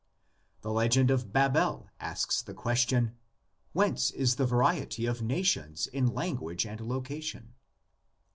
The legend of Babel asks the question. Whence is the variety of nations in language and location?